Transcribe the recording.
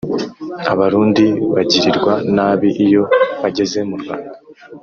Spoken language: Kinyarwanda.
abarundi bagirirwa nabi iyo bageze mu rwanda